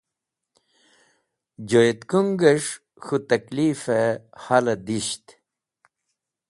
Joyetkũngẽs̃h k̃hũ tẽklifẽ halẽ disht